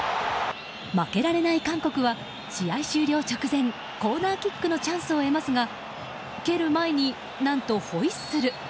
負けられない韓国は試合終了直前コーナーキックのチャンスを得ますが蹴る前に何とホイッスル。